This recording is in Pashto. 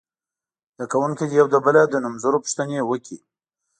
زده کوونکي دې یو له بله د نومځرو پوښتنې وکړي.